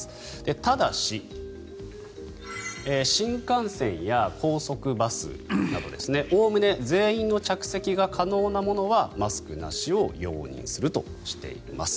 ただし、新幹線や高速バスなどおおむね全員の着席が可能なものはマスクなしを容認するとしています。